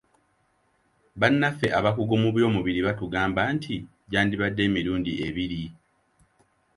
Bannaffe abakugu mu by'omubiri bo batugamba nti gyandibadde emilundi ebiri.